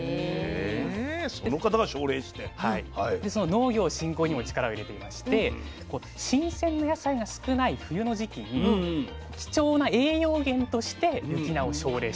で農業振興にも力を入れていまして新鮮な野菜が少ない冬の時期に貴重な栄養源として雪菜を奨励していたという。